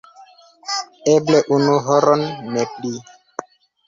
Eble unu horon, ne pli.